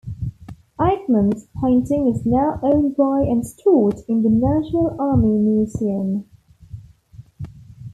Aikman's painting is now owned by and stored in the National Army Museum.